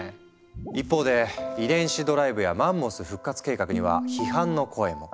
一方で遺伝子ドライブやマンモス復活計画には批判の声も。